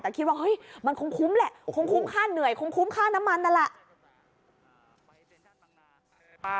แต่คิดว่าเฮ้ยมันคงคุ้มแหละคงคุ้มค่าเหนื่อยคงคุ้มค่าน้ำมันนั่นแหละ